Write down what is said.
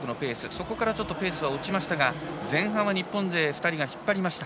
そこからちょっとペースは落ちましたが前半は日本勢２人が引っ張りました。